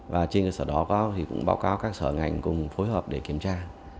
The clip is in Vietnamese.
và trên sở đó cũng báo cáo các sở ngành cùng phối hợp để kiểm tra